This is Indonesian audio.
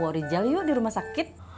wori jal yuk di rumah sakit